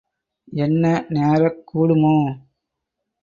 என்ன நேரக் கூடுமோ?